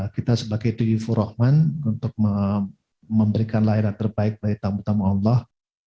kita sebagai tujuh for rahman untuk memberikan layanat terbaik bagi tamu tamu allah